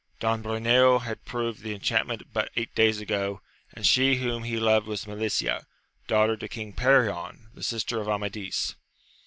Don Bruneo had proved the enchantment but eight days ago, and she whom he loved was Melicia, daughter to King Perion, the sister of Amadis.